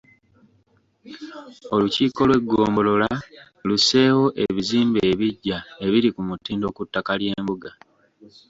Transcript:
Olukiiko lw’eggombolola lusseewo ebizimbe ebiggya ebiri ku mutindo ku ttaka ly’embuga.